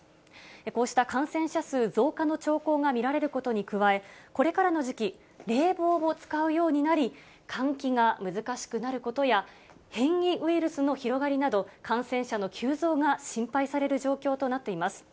こうした感染者数増加の兆候が見られることに加え、これからの時期、冷房を使うようになり、換気が難しくなることや、変異ウイルスの広がりなど、感染者の急増が心配される状況となっています。